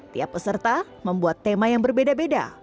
tiap peserta membuat tema yang berbeda beda